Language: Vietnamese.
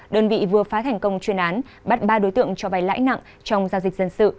đơn vị vừa phá thành công chuyên án bắt ba đối tượng cho vay lãi nặng trong giao dịch dân sự